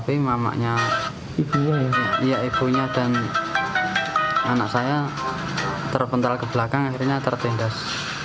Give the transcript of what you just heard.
tapi mamanya ibunya dan anak saya terpental ke belakang akhirnya tertindas